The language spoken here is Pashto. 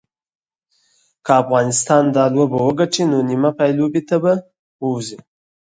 که افغانستان دا لوبه وګټي نو نیمې پایلوبې ته به ووځي